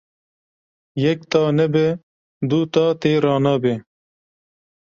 Yek ta nabe du ta tê ranabe.